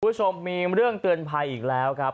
คุณผู้ชมมีเรื่องเตือนภัยอีกแล้วครับ